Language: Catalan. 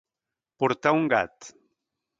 Portar un gat.